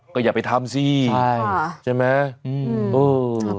ก็อย่าไปทำสิใช่ใช่ไหมอืมอืม